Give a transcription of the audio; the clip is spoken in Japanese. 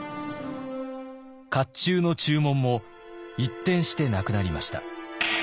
甲冑の注文も一転してなくなりました。